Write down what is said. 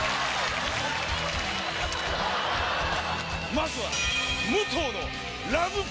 まずは。